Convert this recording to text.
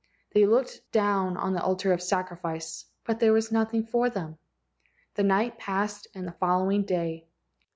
They looked down on the altar of sacrifice, but there was nothing for them. The night passed and the following day.